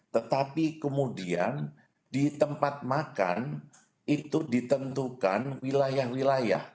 tetapi kemudian di tempat makan itu ditentukan wilayah wilayah